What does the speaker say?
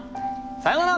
さよなら！